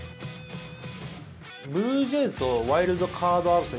ブルージェイズとワイルドカード争い